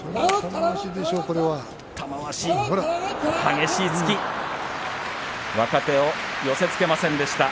激しい突き若手を寄せつけませんでした。